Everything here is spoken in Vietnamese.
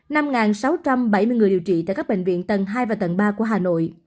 năm sáu trăm bảy mươi người điều trị tại các bệnh viện tầng hai và tầng ba của hà nội